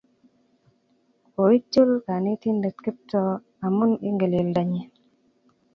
Koityol kanetindet Kiptoo amun Ingeleldo nyi